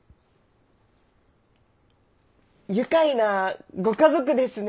愉快なご家族ですね。